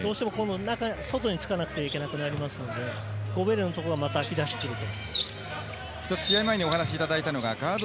外につかなきゃいけなくなりますので、ゴベールのところがまた空きだしていると。